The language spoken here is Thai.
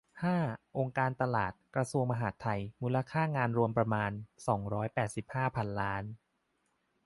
ห้า องค์การตลาด กระทรวงมหาดไทย มูลค่างานรวมประมาณ สองร้อยแปดสิบห้า พันล้าน